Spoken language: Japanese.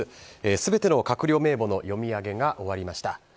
全ての閣僚名簿の読み上げが終わりました。